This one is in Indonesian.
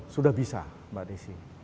sudah bisa mbak desi